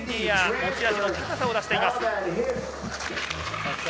持ち味の高さを出しています。